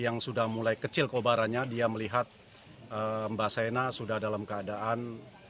yang sudah mulai kecil kobarannya dia melihat mbak saina sudah dalam keadaan